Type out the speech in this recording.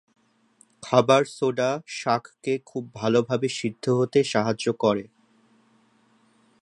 খাবার সোডা শাক কে খুব ভালো ভাবে সিদ্ধ হতে সাহায্য করে।